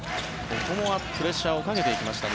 ここもプレッシャーをかけていきました。